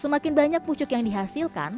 semakin banyak pucuk yang dihasilkan